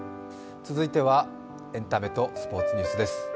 続いてはエンタメとスポーツニュースです。